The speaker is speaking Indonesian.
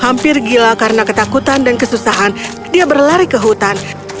hampir gila karena ketakutan dan kesusahan dia berlari ke hutan